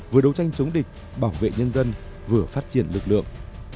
vừa đấu tranh chống địch bảo vệ nhân dân vừa phát triển lực lượng